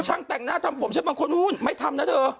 ช่างแต่งหน้าทำผมฉันบางคนนู้นไม่ทำนะเธอ